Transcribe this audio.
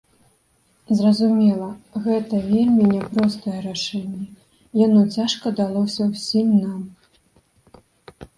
Зразумела, гэта вельмі не простае рашэнне, яно цяжка далося ўсім нам.